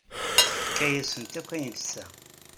Tefka-yasent akk ayen tesɛa.